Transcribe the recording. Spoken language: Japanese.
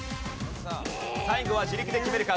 最後は自力で決めるか？